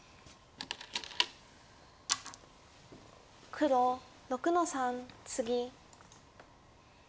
黒６の三ツギ。